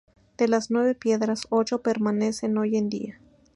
De las nueve piedras, ocho permanecen hoy en día.